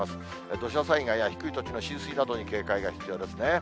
土砂災害や低い土地の浸水などに警戒が必要ですね。